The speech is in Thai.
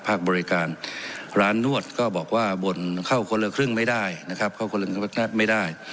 บริการร้านนวดก็บอกว่าบ่นเข้าคนละครึ่งไม่ได้นะครับเข้าคนละไม่ได้